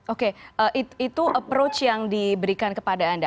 oke itu approach yang diberikan kepada anda